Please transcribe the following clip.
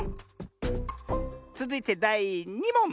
つづいてだい２もん！